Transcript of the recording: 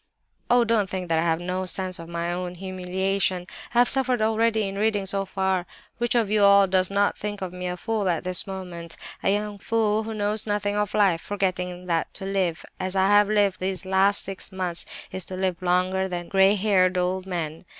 "Oh, don't think that I have no sense of my own humiliation! I have suffered already in reading so far. Which of you all does not think me a fool at this moment—a young fool who knows nothing of life—forgetting that to live as I have lived these last six months is to live longer than grey haired old men.